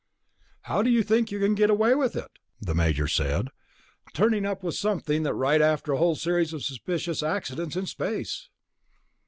"How do you think you can get away with it?" the Major said. "Turning up with something like that right after a whole series of suspicious accidents in space?"